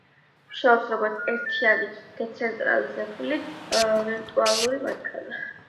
მუშაობს როგორც ერთიანი დეცენტრალიზებული ვირტუალური მანქანა.